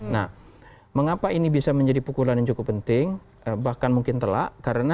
nah mengapa ini bisa menjadi pukulan yang cukup penting bahkan mungkin telak